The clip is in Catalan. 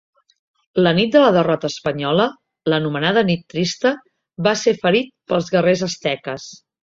La nit de la derrota espanyola, l'anomenada Nit Trista, va ser ferit pels guerrers asteques.